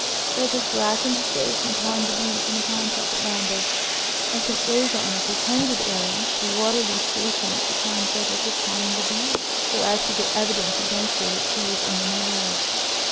Frederick blackened his face, and pawned the beads in a pawn shop at Lambeth. I sent Rosa on a pretended errand to Waterloo Station, at the time Frederick was pawning the beads, so as to get evidence against her that she was in the neighborhood.